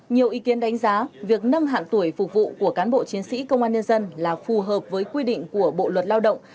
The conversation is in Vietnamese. nhiều ý kiến đánh giá việc nâng hạn tuổi phục vụ của cán bộ chiến sĩ công an nhân dân là phù hợp với quy định của bộ luật lao động